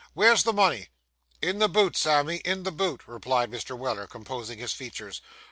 Where's the money?' 'In the boot, Sammy, in the boot,' replied Mr. Weller, composing his features.